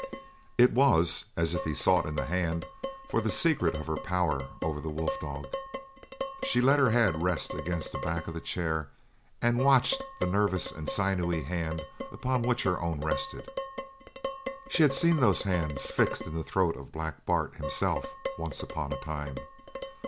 It was as if he sought in the hand for the secret of her power over the wolf dog. She let her head rest against the back of the chair and watched the nervous and sinewy hand upon which her own rested. She had seen those hands fixed in the throat of Black Bart himself, once upon a time.